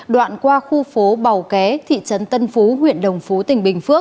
đoạn qua khu phố bào ké thị trấn tân phú huyện đồng phú tỉnh bình phước